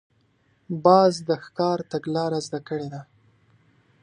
باز د ښکار تګلاره زده کړې ده